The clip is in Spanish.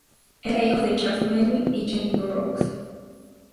Era hijo de Charles Melvin y de Jennie H. Burrows.